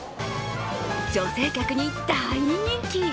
女性客に大人気。